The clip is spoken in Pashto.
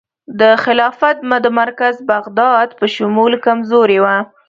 د خلافت د مرکز بغداد په شمول کمزوري وه.